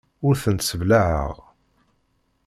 Ur tent-sseblaɛeɣ.